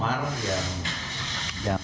kalau luka lebar juga mau malam